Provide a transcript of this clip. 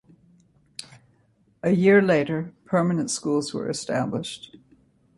A year later permanent schools were established.